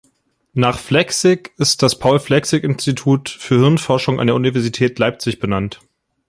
Nach Flechsig ist das Paul-Flechsig-Institut für Hirnforschung an der Universität Leipzig benannt.